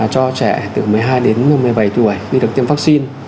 cho trẻ từ một mươi hai đến một mươi bảy tuổi khi được tiêm vaccine